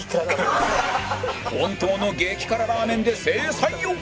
本当の激辛ラーメンで制裁を！